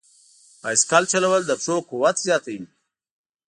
بایسکل چلول د پښو قوت زیاتوي.